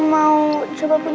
jangan lewat kamu lagi